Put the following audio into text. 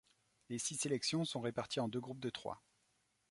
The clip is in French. Les six sélections sont réparties en deux groupes de trois.